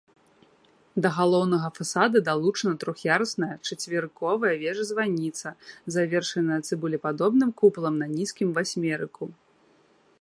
Да галоўнага фасада далучана трох'ярусная чацверыковая вежа-званіца, завершаная цыбулепадобным купалам на нізкім васьмерыку.